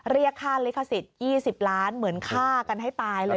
เรียกค่าลิขสิทธิ์๒๐ล้านเหมือนฆ่ากันให้ตายเลย